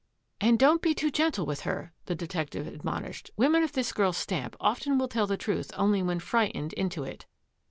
814 THAT AFFAIR AT THE MANOR " And don't be too gentle with her," the detec tive admonished. " Women of this girl's stamp often will tell the truth only when frightened into it."